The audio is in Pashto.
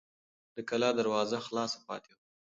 د کلا دروازه خلاصه پاتې وه.